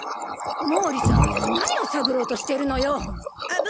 毛利さんは何を探ろうとしてるのよッ！